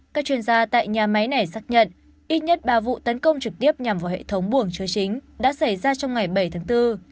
các chuyên gia tại nhà máy này xác nhận ít nhất ba vụ tấn công trực tiếp nhằm vào hệ thống buồng chứa chính đã xảy ra trong ngày bảy tháng bốn